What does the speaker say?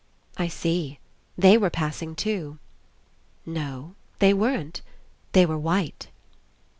"I see. They were 'passing' too." "No. They weren't. They were white."